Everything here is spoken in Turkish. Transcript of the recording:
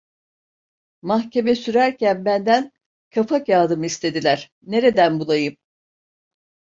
Mahkeme sürerken benden kafakağıdımı istediler, nereden bulayım?